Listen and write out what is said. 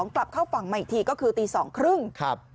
กลับเข้าฝั่งมาอีกทีก็คือตี๒๓๐ครับ